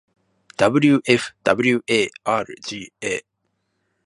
wfwarga